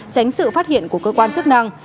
tránh sự phát hiện của cơ quan chức năng